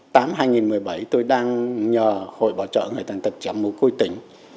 tám hai nghìn một mươi bảy tôi đang nhờ hội bảo trợ người tàn tật chém mối côi tỉnh